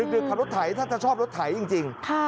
ดึกขับรถไถถ้าเธอชอบรถไถจริงค่ะ